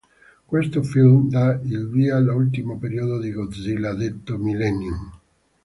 Questo film dà il via all'ultimo periodo di Godzilla, detto "Millennium".